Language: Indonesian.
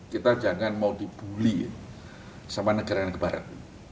kita jangan mau dibully sama negara yang ke barat